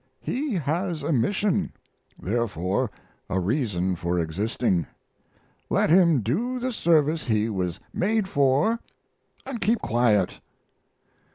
He has a mission, therefore a reason for existing: let him do the service he was made for, and keep quiet.